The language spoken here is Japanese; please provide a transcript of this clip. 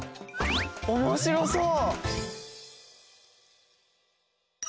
おもしろそう！